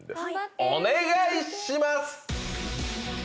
お願いします。